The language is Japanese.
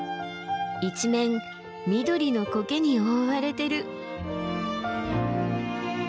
一面緑のコケに覆われてる。